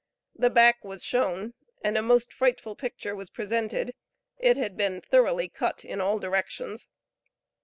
The back was shown, and a most frightful picture was presented; it had been thoroughly cut in all directions.